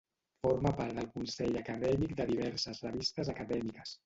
Forma part del consell acadèmic de diverses revistes acadèmiques.